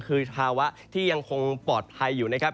คือสภาวะที่ยังคงปลอดภัยอยู่นะครับ